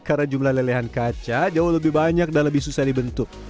karena jumlah lelehan kaca jauh lebih banyak dan lebih susah dibentuk